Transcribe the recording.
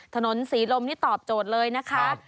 ถนนศรีลมนี่ตอบโจทย์เลยนะคะ